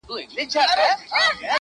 چي په رګونو کی ساه وچلوي.!